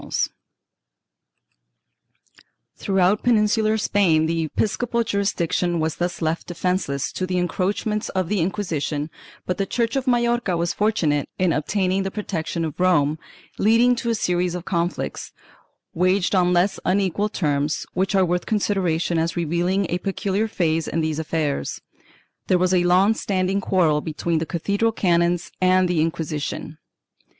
32 498 CONFLICTING JURISDICTIONS [BOOK II Throughout Peninsular Spain the episcopal jurisdiction was thus left defenceless to the encroachments of the Inquisition, but the Church of Majorca was fortunate in obtaining the pro tection of Rome, leading to a series of conflicts, waged on less unequal terms, which are worth consideration as revealing a peculiar phase in these affairs. There was a long standing quarrel between the cathedral canons and the Inquisition.